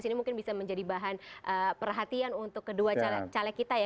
ini mungkin bisa menjadi bahan perhatian untuk kedua caleg kita ya